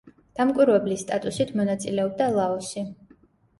დამკვირვებლის სტატუსით მონაწილეობდა ლაოსი.